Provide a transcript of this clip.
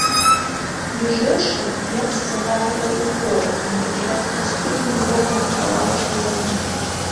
Між іншым, немцы загадвалі і ў горадзе не пакідаць пустым ніводнага кавалачка зямлі.